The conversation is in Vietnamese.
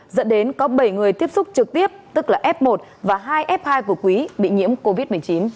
dẫn đến có bảy người tiếp xúc trực tiếp tức là f một và hai f hai của quý bị nhiễm covid một mươi chín